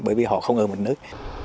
bởi vì họ không ở một nơi